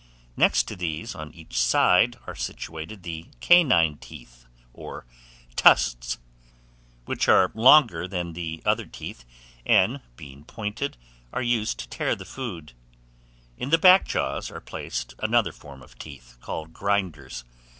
Next to these, on each side, are situated the canine teeth, or tusks, which are longer than the other teeth, and, being pointed, are used to tear the food. In the back jaws are placed another form of teeth, called grinders.